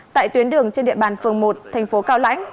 tại tuyến đường trên địa bàn phường một thành phố cao lãnh